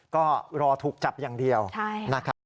ก็รอถูกจับอย่างเดียวนะครับ